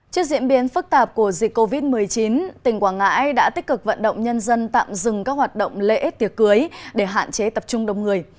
trước diễn biến phức tạp của dịch covid một mươi chín tỉnh quảng ngãi đã tích cực vận động nhân dân tạm dừng các hoạt động lễ tiệc cưới để hạn chế tập trung đông người